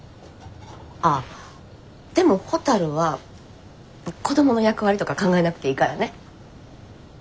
あっでもほたるは子どもの役割とか考えなくていいからね。